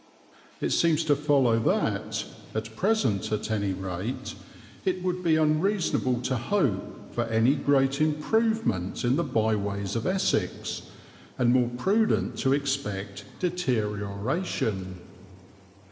It seems to follow that, at present at any rate, it would be unreasonable to hope for any great improvement in the byways of Essex, and more prudent to expect deterioration.